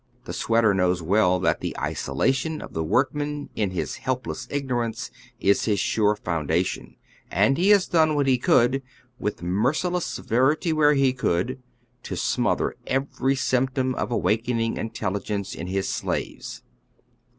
The sweater knows well that the isolation of the work man in his helpless ignorance is his sure foundation, and he has done what he coiiid — with merciless severity where he could — to smother every symptom of awakening intel ligence in his slaves.